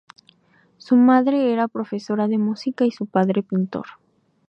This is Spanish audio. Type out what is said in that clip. Su madre era profesora de música y su padre pintor.